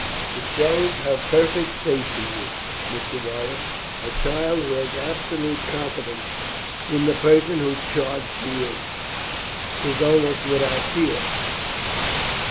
"It shows her perfect faith in you, Mr. Wyatt. A child who has absolute confidence in the person in whose charge she is, is almost without fear.